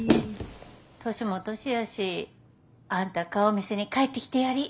年も年やしあんた顔見せに帰ってきてやり。